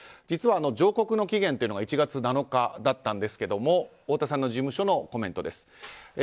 実は上告の期限は１月７日だったんですが太田さんの事務所のコメントです。